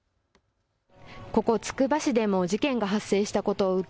ここ、つくば市でも事件が発生したことを受け